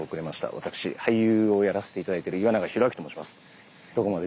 私俳優をやらせて頂いてる岩永洋昭と申します。